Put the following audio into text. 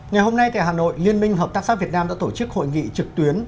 ngày hôm nay tại hà nội liên minh hợp tác xã việt nam đã tổ chức hội nghị trực tuyến